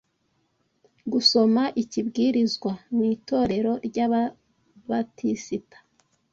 gusoma ikibwirizwa mu itorero ry’Ababatisita